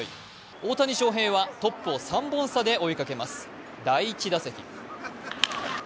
大谷翔平はトップを３本差で追いかけます。